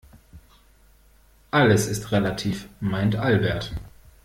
Alles ist relativ, meint Albert.